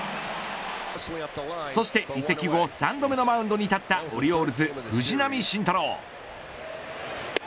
そして移籍後３度目のマウンドに立ったオリオールズ藤浪晋太郎。